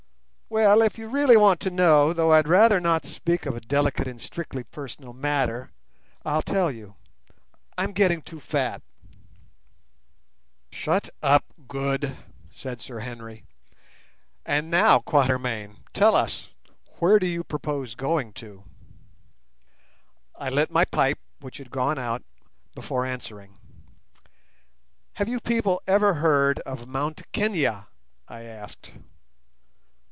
"Well, if you really want to know, though I'd rather not speak of a delicate and strictly personal matter, I'll tell you: I'm getting too fat." "Shut up, Good!" said Sir Henry. "And now, Quatermain, tell us, where do you propose going to?" I lit my pipe, which had gone out, before answering. "Have you people ever heard of Mt Kenia?" I asked.